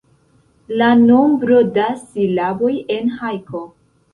La nombro da silaboj en hajko.